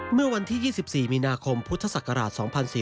เมื่อวันที่๒๔มีนาคมพุทธศักราช๒๔๙